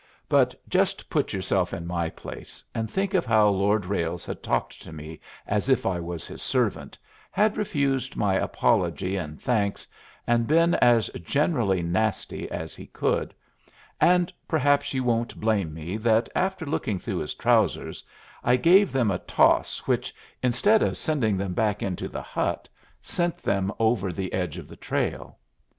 But just put yourself in my place, and think of how Lord Ralles had talked to me as if I was his servant, had refused my apology and thanks, and been as generally "nasty" as he could, and perhaps you won't blame me that, after looking through his trousers, I gave them a toss which, instead of sending them back into the hut, sent them over the edge of the trail.